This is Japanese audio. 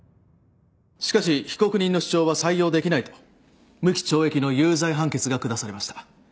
しかし被告人の主張は採用できないと無期懲役の有罪判決が下されました。